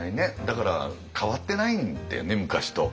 だから変わってないんだよね昔と。